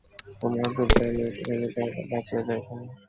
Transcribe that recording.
তোমার বিদ্যা আমি একটুখানি পাইলে বাঁচিয়া যাইতাম।